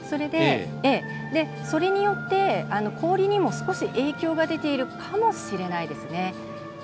それによって、氷にも少し影響が出ているかもしれないですね。